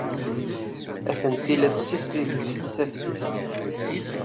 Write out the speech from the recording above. Atenti la ssizdigent taftist.